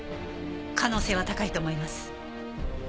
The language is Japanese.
可能性は高いと思います。